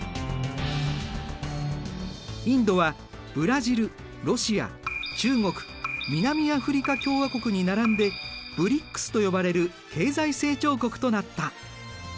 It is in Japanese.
インドはブラジルロシア中国南アフリカ共和国に並んでＢＲＩＣＳと呼ばれる経済成長国となった。